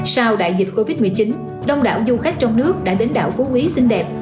sau đại dịch covid một mươi chín đông đảo du khách trong nước đã đến đảo phú quý xinh đẹp